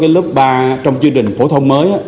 lớp ba trong chương trình phổ thông mới